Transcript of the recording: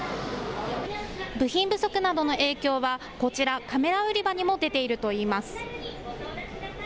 部品不足などの影響は、こちら、カメラ売り場にも出ているといいます。